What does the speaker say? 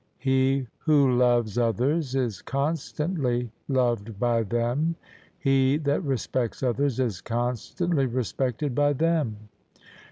He who loves others is constantly loved by them; he that respects others is constantly respected by them.